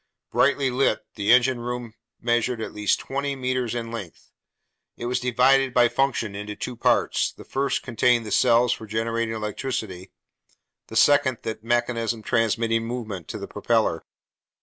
Brightly lit, the engine room measured at least 20 meters in length. It was divided, by function, into two parts: the first contained the cells for generating electricity, the second that mechanism transmitting movement to the propeller.